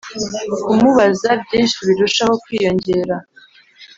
kumubaza byinshi birushaho kwiyongera